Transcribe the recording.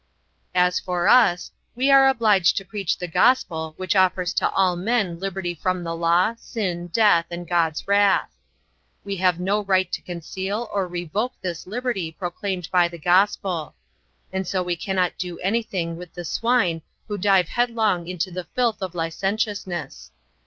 As for us, we are obliged to preach the Gospel which offers to all men liberty from the Law, sin, death, and God's wrath. We have no right to conceal or revoke this liberty proclaimed by the Gospel. And so we cannot do anything with the swine who dive headlong into the filth of licentiousness.